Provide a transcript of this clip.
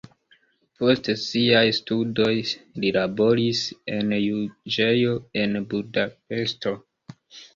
Post siaj studoj li laboris en juĝejo en Budapeŝto.